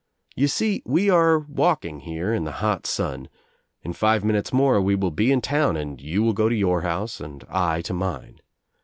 You see we are walking here in the hot sun. In five minutes more we will be in town and you will go to your house and I to mine.